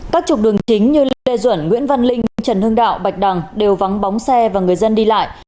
các trục đường chính như lê duẩn nguyễn văn linh trần hưng đạo bạch đằng đều vắng bóng xe và người dân đi lại